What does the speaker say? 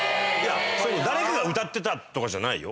誰かが歌ってたとかじゃないよ